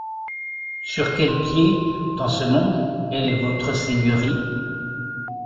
Sur quel pied, dans ce monde, est Votre Seigneurie ?